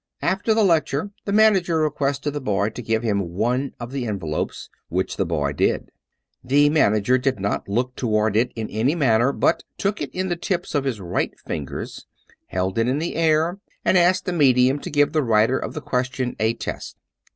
After the lecture, the manager requested the boy to give him one of the envelopes, which the boy did. The man ager did not look toward it in any manner; but took it in the tips of his right fingers, held it in the air, and asked the medium to give the writer of this question a test.